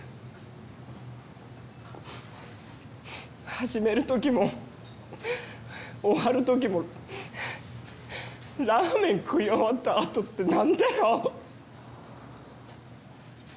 始める時も終わる時もラーメン食い終わった後って何だよ？